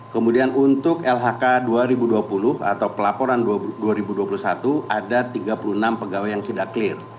kemudian untuk lhk dua ribu dua puluh atau pelaporan dua ribu dua puluh satu ada tiga puluh enam pegawai yang tidak clear